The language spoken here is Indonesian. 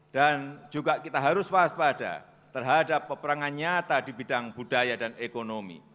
dan juga kita harus waspada terhadap peperangan nyata di bidang budaya dan ekonomi